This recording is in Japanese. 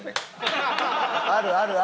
あるあるあるある！